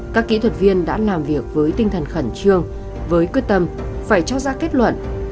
các kỹ thuật viên đã làm việc với tinh thần khẩn trương với quyết tâm phải cho ra kết luận